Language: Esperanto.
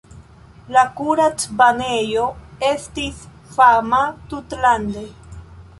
La kuracbanejo estis fama tutlande.